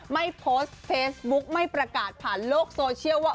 ไม่โพสต์เฟซบุ๊กไม่ประกาศผ่านโลกโซเชียลว่า